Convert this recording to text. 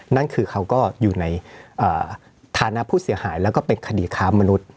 นั่นคือเขาก็อยู่ในฐานะผู้เสียหายแล้วก็เป็นคดีค้ามนุษย์